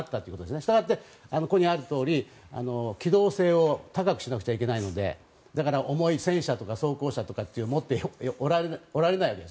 したがってここにあるとおり機動性を高くしなくちゃいけないので重い戦車とか装甲車とかを持っておられないんです。